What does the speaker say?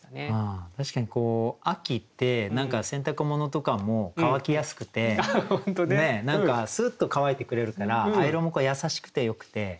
確かにこう秋って何か洗濯物とかも乾きやすくて何かスーッと乾いてくれるからアイロンも優しくてよくて。